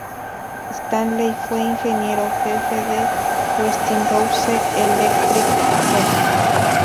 Stanley fue ingeniero jefe de Westinghouse Electric Co.